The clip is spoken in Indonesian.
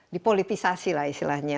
dipolitisasi lah istilahnya